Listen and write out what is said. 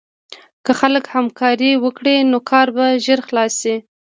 که خلک همکاري وکړي، نو کار به ژر خلاص شي.